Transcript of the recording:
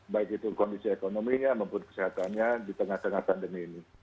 baik itu kondisi ekonominya maupun kesehatannya di tengah tengah pandemi ini